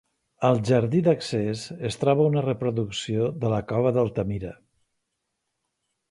Al jardí d'accés es troba una reproducció de la cova d'Altamira.